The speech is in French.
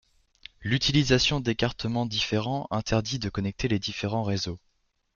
L'utilisation d'écartements différents interdit de connecter les différents réseaux.